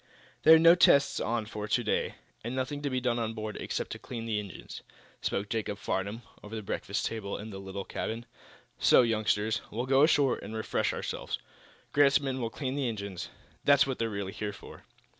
"There are no tests on for to day, and nothing to be done on board, except to clean the engines," spoke Jacob Farnum over the breakfast table in the little cabin. "So, youngsters, we'll go ashore and refresh ourselves. Grant's men will clean the engines. That's what they're really here for."